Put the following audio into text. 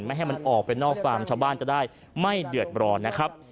ให้มันออกไปนอกฟาร์มชาวบ้านจะได้ไม่เดือดร้อนนะครับ